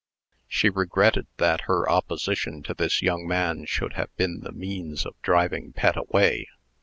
She regretted that her opposition to this young man should have been the means of driving Pet away.